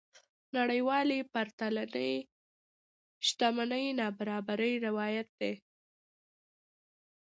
نړيوالې پرتلنې شتمنۍ نابرابرۍ روايت دي.